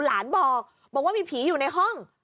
หลานบอกว่ามีผีอยู่ในห้อง